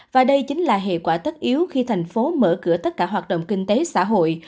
và đây chính là hệ quả tất yếu khi thành phố mở cửa tất cả hoạt động kinh tế xã hội